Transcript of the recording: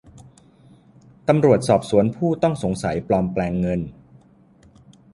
ตำรวจสอบสวนผู้ต้องสงสัยปลอมแปลงเงิน